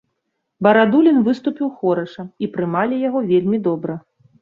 Барадулін выступіў хораша, і прымалі яго вельмі добра.